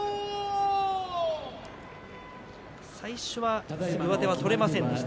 最初は上手を取れませんでした。